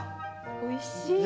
おいしい！